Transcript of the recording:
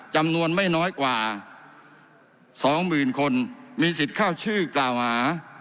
จำนวนไม่น้อยกว่า๒๐๐๐คนมีสิทธิ์เข้าชื่อกล่าวหา